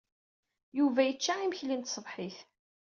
Yuba yecca imekli n tṣebḥit.